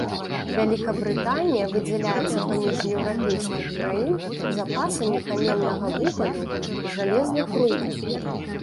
Вялікабрытанія выдзяляецца паміж еўрапейскіх краін запасамі каменнага вугалю і жалезных руд.